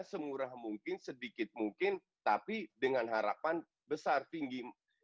semurah mungkin sedikit mungkin tapi dengan harapan besar tinggi